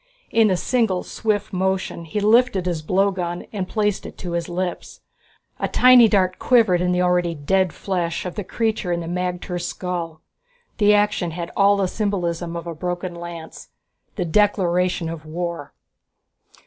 In a single swift motion he lifted his blowgun and placed it to his lips. A tiny dart quivered in the already dead flesh of the creature in the magter's skull. The action had all the symbolism of a broken lance, the declaration of war.